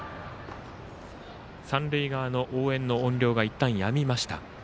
三塁側の応援の音量がいったん、やみました。